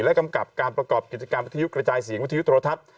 และกำกับการประกอบกิจการกระจายเสียงวิทยุธุธรทัศน์